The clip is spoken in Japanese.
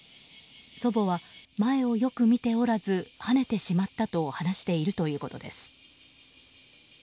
祖母は前をよく見ておらずはねてしまったと話しているということです。